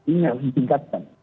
ini harus ditingkatkan